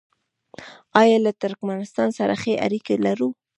آیا له ترکمنستان سره ښې اړیکې لرو؟